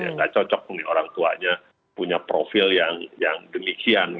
nggak cocok nih orang tuanya punya profil yang demikian